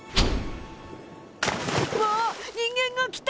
うわ人間が来た！